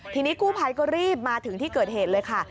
ทีนี้กู้ภัยก็รีบมาถึงที่เกิดเหตุเลยค่ะ